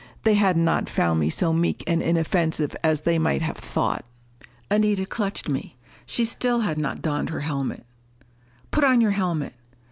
They had not found me so meek and inoffensive as they might have thought! Anita clutched me. She still had not donned her helmet. "Put on your helmet!"